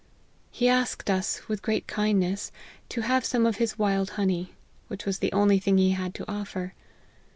He asked us, with great kindness, to have some of his wild honey ; which was the only thing he had to offer.